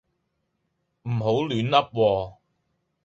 唔好亂噏喎